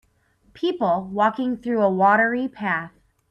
People walking through a watery path.